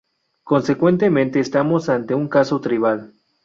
Consecuentemente estamos ante un caso trivial.